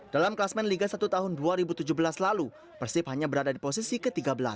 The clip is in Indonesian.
dalam kelasmen liga satu tahun dua ribu tujuh belas lalu persib hanya berada di posisi ke tiga belas